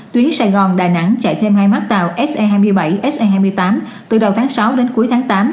tuyến sài gòn đà nẵng chạy thêm hai mắt tàu se hai mươi bảy se hai mươi tám từ đầu tháng sáu đến cuối tháng tám